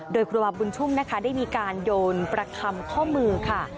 โดยกุฎบาปบุญชุมได้มีการยนต์ประคำข้อมือค่ะ